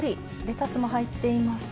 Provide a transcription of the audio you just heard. レタスも入っています。